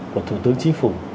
của thủ tướng chí phủ